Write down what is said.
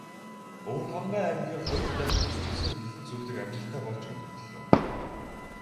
Өвөрхангай аймгийн хоёр дахь бүсчилсэн хэлэлцүүлэг амжилттай болж өндөрлөлөө.